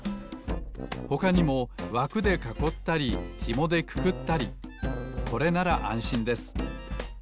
ほかにもわくでかこったりひもでくくったりこれならあんしんです。